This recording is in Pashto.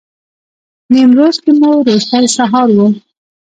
نیمروز کې مو وروستی سهار و.